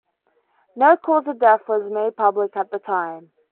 No cause of death was made public at the time.